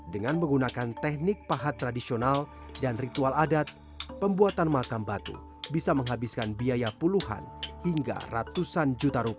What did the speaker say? dengan menggunakan teknik pahat tradisional dan ritual adat pembuatan makam batu bisa menghabiskan biaya puluhan hingga ratusan juta rupiah